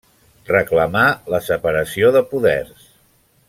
Reclamà la separació de poders.